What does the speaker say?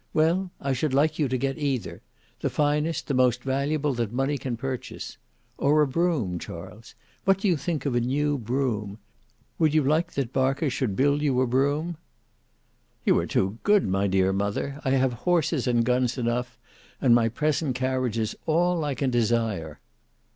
Well, I should like you to get either; the finest, the most valuable that money can purchase. Or a brougham, Charles; what do you think of a new brougham? Would you like that Barker should build you a brougham?" "You are too good, my dear mother. I have horses and guns enough; and my present carriage is all I can desire."